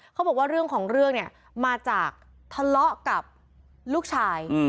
เขาบอกว่าเรื่องของเรื่องเนี่ยมาจากทะเลาะกับลูกชาย